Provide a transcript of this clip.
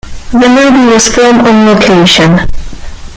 The movie was filmed on location.